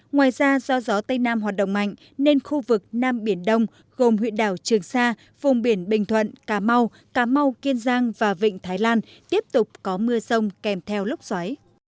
ngoài ra do gió tây nam hoạt động mạnh nên khu vực nam biển đông gồm huyện đảo trường sa vùng biển bình thuận cà mau cà mau kiên giang và vịnh thái lan tiếp tục có mưa sông kèm theo lúc xoáy